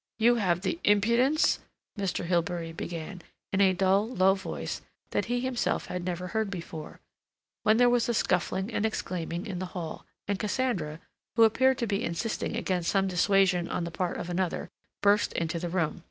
"You have the impudence—" Mr. Hilbery began, in a dull, low voice that he himself had never heard before, when there was a scuffling and exclaiming in the hall, and Cassandra, who appeared to be insisting against some dissuasion on the part of another, burst into the room.